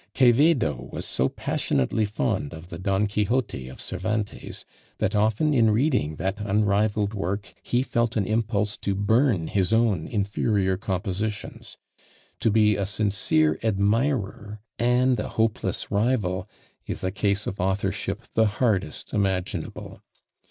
Quevedo was so passionately fond of the Don Quixote of Cervantes, that often in reading that unrivalled work he felt an impulse to burn his own inferior compositions: to be a sincere admirer and a hopeless rival is a case of authorship the hardest imaginable.